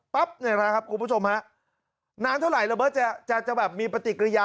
นี่แหละครับคุณผู้ชมฮะนานเท่าไหร่ระเบิดจะแบบมีปฏิกิริยา